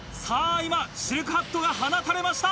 今シルクハットが放たれました。